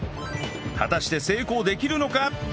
果たして成功できるのか！？